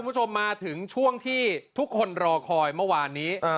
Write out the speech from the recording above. คุณผู้ชมมาถึงช่วงที่ทุกคนรอคอยเมื่อวานนี้